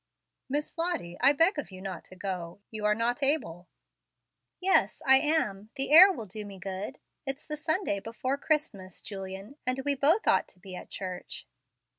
"Miss Lottie, I beg of you do not go. You are not able." "Yes, I am; the air will do me good. It's the Sunday before Christmas, Julian, and we both ought to be at church."